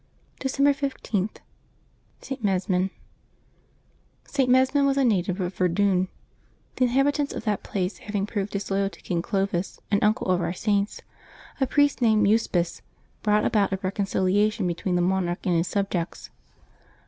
December 15.— ST. MESMIN. T. Mesmin was a native of Verdun. The inhabitants of that place having proved disloyal to King Clovis, an uncle of our Saint's, a priest named Euspice, brought about a reconciliation between the monarch and his sub jects.